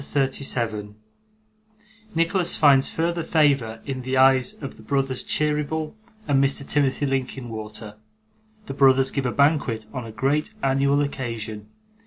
CHAPTER 37 Nicholas finds further Favour in the Eyes of the brothers Cheeryble and Mr. Timothy Linkinwater. The brothers give a Banquet on a great Annual Occasion.